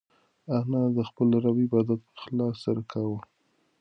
انا د خپل رب عبادت په اخلاص سره کاوه.